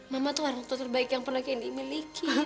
mama tuh orang terbaik yang pernah candy miliki